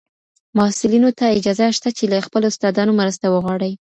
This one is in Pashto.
محصلینو ته اجازه شته چي له خپلو استادانو مرسته وغواړي.